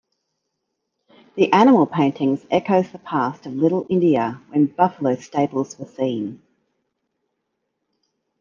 The animal paintings echoes the past of Little India when buffalo stables were seen.